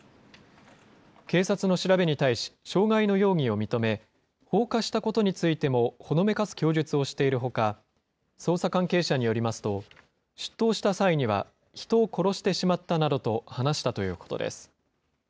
警察の調べに対し、傷害の容疑を認め、放火したことについてもほのめかす供述をしているほか、捜査関係者によりますと、出頭した際には、人を殺してしまったなどと話したということです。